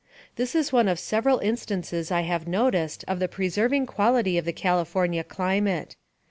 This is one of several instances I have noticed of the preserving quality of the California climate.